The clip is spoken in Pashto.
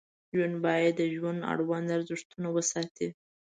ژوند باید د ژوند اړوند ارزښتونه وساتي.